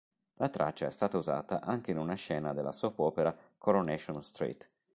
La traccia è stata usata anche in una scena della soap opera "Coronation Street".